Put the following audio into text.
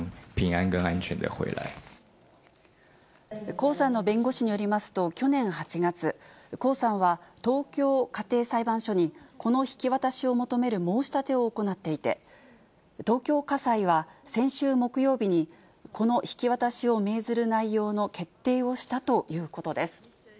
江さんの弁護士によりますと、去年８月、江さんは東京家庭裁判所に、この引き渡しを求める申し立てを行っていて、東京家裁は先週木曜日に子の引き渡しを命ずる内容の決定をしたということです。